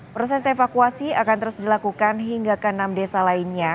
proses evakuasi akan terus dilakukan hingga ke enam desa lainnya